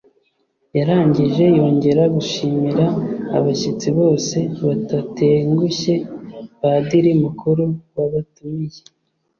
yarangije yongera gushimira abashyitsi bose batatengushye padiri mukuru wabatumiye